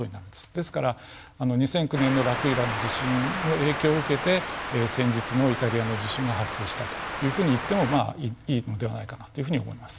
ですから２００９年のラクイラの地震の影響を受けて先日のイタリアの地震が発生したというふうに言ってもいいのではないかなというふうに思います。